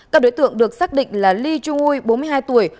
các đối tượng được xác định là ly trung ui bốn mươi hai tuổi